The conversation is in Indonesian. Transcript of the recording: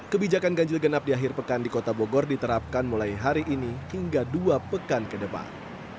kebijakan ganjil genap di akhir pekan di kota bogor diterapkan mulai hari ini hingga dua pekan ke depan